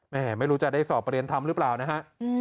ไม่รู้จะได้สอบประเรียนธรรมหรือเปล่านะฮะ